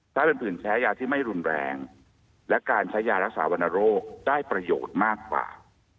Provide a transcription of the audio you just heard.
ถ้าเป็นผื่นใช้ยาที่ไม่รุนแรงและการใช้ยารักษาวรรณโรคได้ประโยชน์มากกว่า